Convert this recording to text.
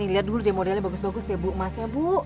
lihat dulu deh modelnya bagus bagus deh bu emasnya bu